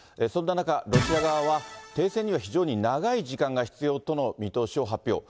そんな中、ロシア側は、停戦には、非常に長い時間が必要との見通しを発表。